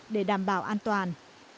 để đảm bảo an toàn